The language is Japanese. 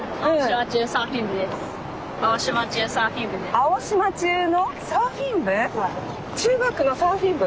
青島中のサーフィン部？